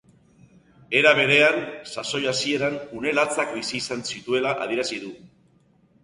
Era berean, sasoi hasieran une latzak bizi izan zituela adierazi du.